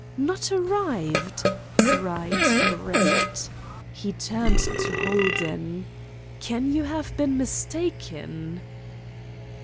"Not arrived!" cried Brett. He turned to Holden. "Can you have been mistaken?"